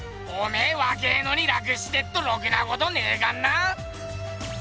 おめえわけえのに楽してっとろくなことねえかんな！